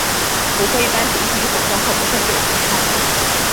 骨灰一般指遗体于火葬后所剩余的遗骸。